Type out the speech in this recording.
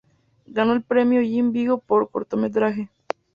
Ganó el premio Jean Vigo por cortometraje.